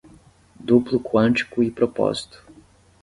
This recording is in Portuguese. Duplo quântico e propósito